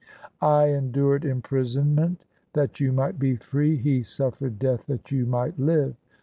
I endured imprisonment that you might be free: He suffered death that you might live.